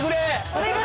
お願い。